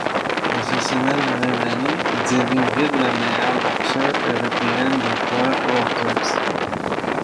Professionnel la même année, il devient vite le meilleur boxeur européen des poids welters.